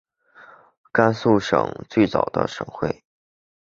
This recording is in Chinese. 甘肃省最早的省会。